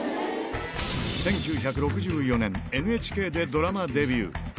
１９６４年、ＮＨＫでドラマデビュー。